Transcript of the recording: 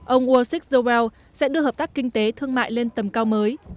ông ursus joel sẽ đưa hợp tác kinh tế thương mại lên tầm cao mới